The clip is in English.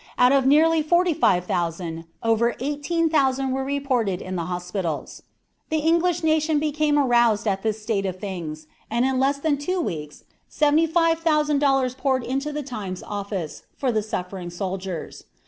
Out of nearly forty five thousand, over eighteen thousand were reported in the hospitals. The English nation became aroused at this state of things, and in less than two weeks seventy five thousand dollars poured into the Times office for the suffering soldiers.